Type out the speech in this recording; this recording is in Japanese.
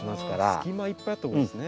隙間いっぱいあった方がいいんですね。